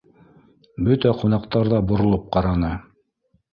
Бөтә ҡунаҡтар ҙа боролоп ҡараны